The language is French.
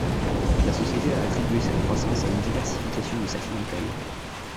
La société a attribué cette croissance à une diversification de sa clientèle.